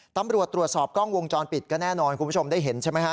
ตำรวจตรวจสอบกล้องวงจรปิดก็แน่นอนคุณผู้ชมได้เห็นใช่ไหมฮะ